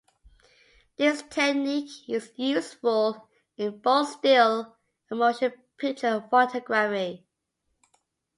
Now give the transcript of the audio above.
This technique is useful in both still and motion picture photography.